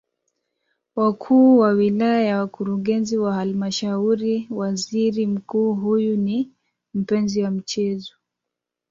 wakuu wa wilaya na wakurugenzi wa halmashauriWaziri Mkuu huyu ni mpenzi wa mchezo